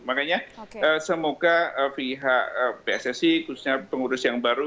makanya semoga pihak pssi khususnya pengurus yang baru